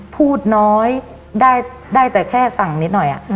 พูดน้อยได้แต่แค่สั่งนิดหน่อย